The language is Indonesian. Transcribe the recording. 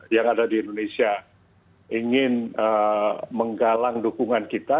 yang ada di indonesia ingin menggalang dukungan kita